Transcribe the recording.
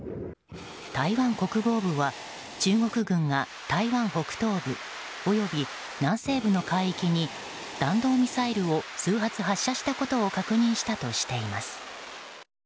台湾国防部は中国軍が台湾北東部および南西部の海域に弾道ミサイルを数発発射したことを確認したとしています。